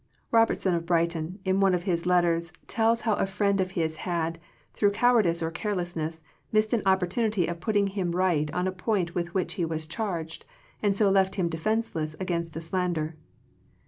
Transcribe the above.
Robertson of Brighton in one of his let ters tells how a friend of his had, through cowardice or carelessness, missed an op portunity of putting him right on a point with which he was charged,. and so left him defenceless against a slander.